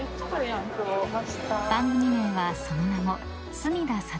［番組名はその名も］